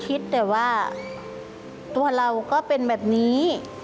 คิดแต่ว่าตัวเราก็เป็นแบบนี้